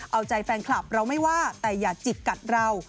เอาใจแฟนคลับเราไม่ว่าแต่อย่าจิกกัดเรา